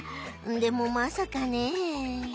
でもまさかね。